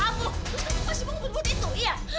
kamu masih mau ngebut but itu iya